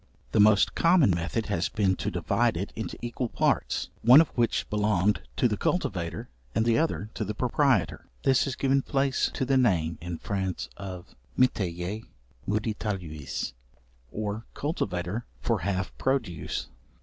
The most common method has been to divide it into equal parts, one of which belonged to the cultivator and the other to the proprietor. This has given place to the name (in France) of metayer (medietarius) or cultivator for half produce.